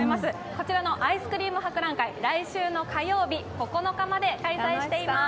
こちらのアイスクリーム博覧会、来週の火曜日、９日まで開催しています。